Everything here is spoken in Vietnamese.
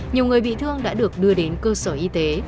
nhiều người bị thương đã được đưa đến cơ sở y tế